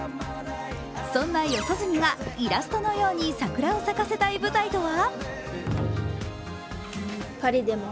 そんな四十住がイラストのように桜を咲かせたい舞台とは？